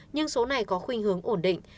nhưng số này có khuyên hướng ổn định